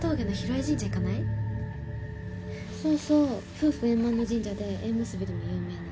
夫婦円満の神社で縁結びでも有名な。